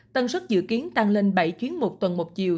tần suất dự kiến tăng lên bảy chuyến một tuần một chiều